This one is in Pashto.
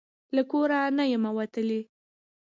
له کور نه یمه وتلې